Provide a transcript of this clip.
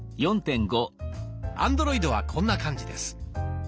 アンドロイドはこんな感じです。